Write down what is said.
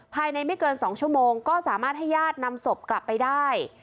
ภายในไม่เกิน๒ชั่วโมงก็สามารถให้ญาตินำศพกลับไปได้